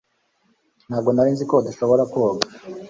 Ntabwo nari nzi ko udashobora koga